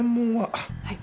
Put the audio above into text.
はい。